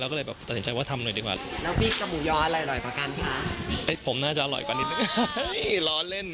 แล้วน้องโบว่าไงบ้างครับออกมาทำหนึ่ง